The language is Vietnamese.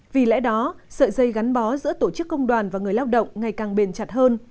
vì lẽ đó sợi dây gắn bó giữa tổ chức công đoàn và người lao động ngày càng bền chặt hơn